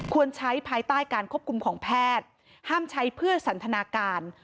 ใช้ภายใต้การควบคุมของแพทย์ห้ามใช้เพื่อสันทนาการ